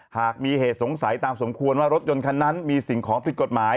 หากมีเหตุสงสัยตามสมควรว่ารถยนต์คันนั้นมีสิ่งของผิดกฎหมาย